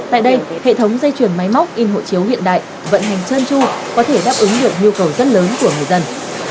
tại đây hệ thống dây chuyển máy móc in hộ chiếu hiện đại vận hành chân chu có thể đáp ứng được nhu cầu rất lớn của người dân